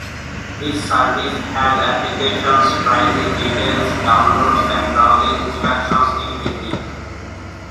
This service has applications, pricing details, downloads and browsing instructions in Hindi.